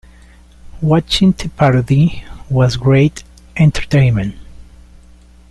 Watching the parody was great entertainment.